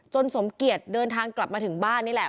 สมเกียจเดินทางกลับมาถึงบ้านนี่แหละ